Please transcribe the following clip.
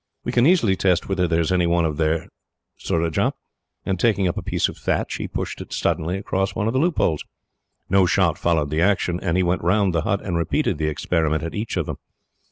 We can easily test whether there is any one there, Surajah;" and, taking up a piece of thatch he pushed it suddenly across one of the loopholes. No shot followed the action, and he went round the hut, and repeated the experiment at each of them.